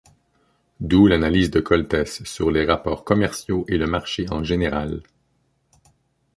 D'où l'analyse de Koltès sur les rapports commerciaux et le marché en général.